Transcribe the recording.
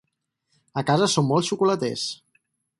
A casa som molt xocolaters.